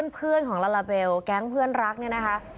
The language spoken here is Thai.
เพื่อนของลาลาเบลแก๊งเพื่อนรักเนี่ยนะคะ